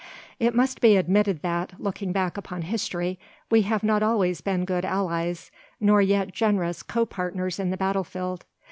It must be admitted that, looking back upon history, we have not always been good allies, nor yet generous co partners in the battlefield.